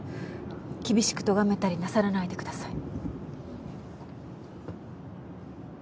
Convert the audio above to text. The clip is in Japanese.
厳しく咎めたりなさらないでください。